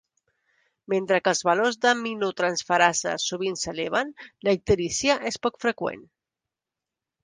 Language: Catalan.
Mentre que els valors d'aminotransferases sovint s'eleven, la icterícia és poc freqüent.